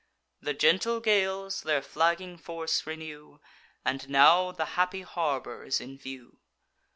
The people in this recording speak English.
The gentle gales their flagging force renew, And now the happy harbour is in view.